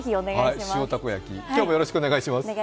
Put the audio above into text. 塩たこ焼き、今日もよろしくお願いします。